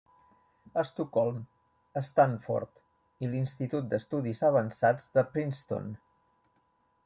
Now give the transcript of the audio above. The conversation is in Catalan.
Estocolm, Stanford i l'Institut d'Estudis Avançats de Princeton.